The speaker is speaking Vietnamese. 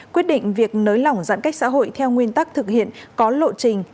quyết định việc nới lỏng giãn cách xã hội theo nguyên tắc thực hiện có lộ trình